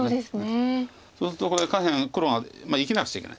そうするとこれ下辺黒が生きなくちゃいけない。